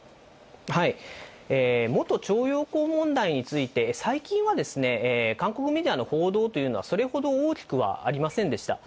元徴用工問題について、最近は韓国メディアの報道というのは、それほど大きくはありませんでした。